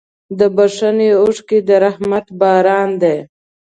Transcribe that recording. د بښنې اوښکې د رحمت باران دی.